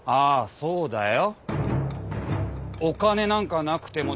そうだよ。